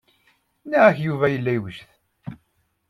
Nniɣ-ak Yuba yella yewjed.